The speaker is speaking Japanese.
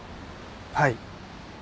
はい。